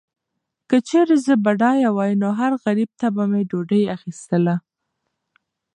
که چیرې زه بډایه وای، نو هر غریب ته به مې ډوډۍ اخیستله.